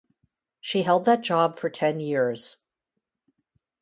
She held that job for ten years.